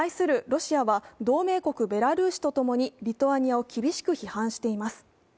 ロシアは同盟国・ベラルーシと共にリトアニアを厳しく批判しています。